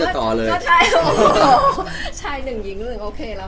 เหลือน่ารองดู